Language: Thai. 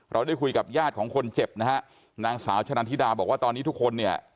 ได้คุยกับญาติของคนเจ็บนะฮะนางสาวชะนันทิดาบอกว่าตอนนี้ทุกคนเนี่ย